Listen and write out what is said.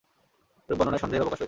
এরূপ বর্ণনায় সন্দেহের অবকাশ রয়েছে।